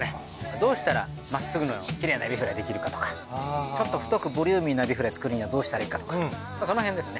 どうしたらまっすぐのきれいなエビフライできるかとかちょっと太くボリューミーなエビフライ作るにはどうしたらいいかとかその辺ですね。